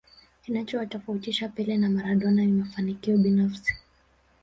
kinachowatofautisha pele na maradona ni mafanikio binafsi